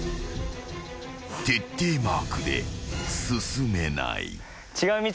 ［徹底マークで進めない］